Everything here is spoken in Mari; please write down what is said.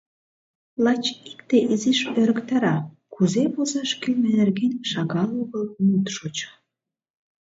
Лач икте изиш ӧрыктара: кузе возаш кӱлмӧ нерген шагал огыл мут шочо.